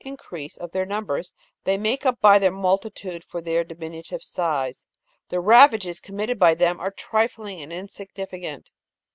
17 increase of their numbers, they make up by their multitude for their di minutive size, the ravages committed by them are trifling and insignificant.